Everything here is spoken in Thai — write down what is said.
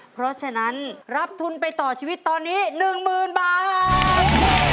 เพราะฉะนั้นรับทุนไปต่อชีวิตตอนนี้๑๐๐๐บาท